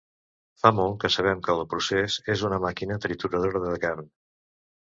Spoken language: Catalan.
Fa molt que sabem que el procés és una màquina trituradora de carn.